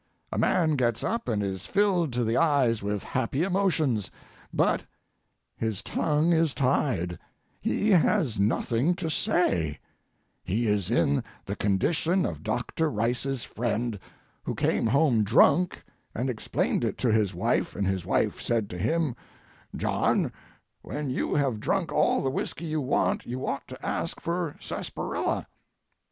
A man gets up and is filled to the eyes with happy emotions, but his tongue is tied; he has nothing to say; he is in the condition of Doctor Rice's friend who came home drunk and explained it to his wife, and his wife said to him, "John, when you have drunk all the whiskey you want, you ought to ask for sarsaparilla."